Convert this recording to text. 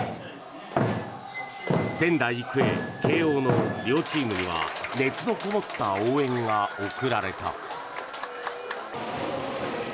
仙台育英、慶応の両チームには熱のこもった応援が送られた。